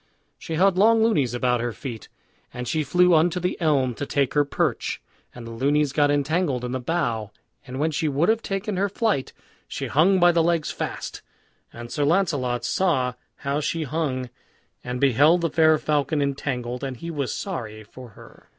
] about her feet, and she flew unto the elm to take her perch, and the lunys got entangled in the bough; and when she would have taken her flight, she hung by the legs fast, and Sir Launcelot saw how she hung, and beheld the fair falcon entangled, and he was sorry for her.